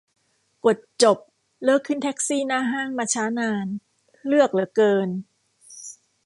กด จบ เลิกขึ้นแท็กซี่หน้าห้างมาช้านาน เลือกเหลือเกิน